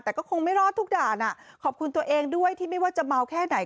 แต่ก็คงไม่รอดทุกด่านขอบคุณตัวเองด้วยที่ไม่ว่าจะเมาแค่ไหน